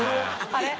あれ？